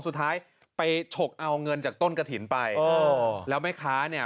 สุดท้ายไปฉกเอาเงินจากต้นกระถิ่นไปเออแล้วแม่ค้าเนี่ย